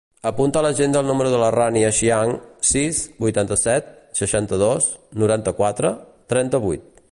Apunta a l'agenda el número de la Rània Xiang: sis, vuitanta-set, seixanta-dos, noranta-quatre, trenta-vuit.